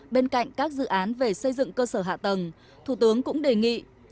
bên cạnh các dự án về xây dựng cơ sở hạ tầng thủ tướng cũng đề nghị